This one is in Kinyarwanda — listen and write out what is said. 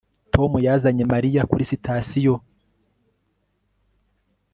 Tom yazanye Mariya kuri sitasiyo iainmb